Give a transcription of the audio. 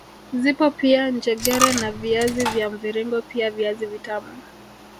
Zipo pia njegere na viazi vya mviringo pia viazi vitamu